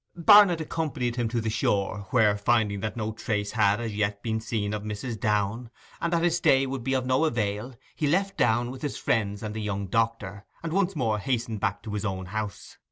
Barnet accompanied him to the shore, where, finding that no trace had as yet been seen of Mrs. Downe, and that his stay would be of no avail, he left Downe with his friends and the young doctor, and once more hastened back to his own house.